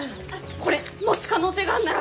これもし可能性があんなら。